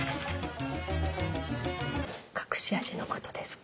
隠し味のことですか？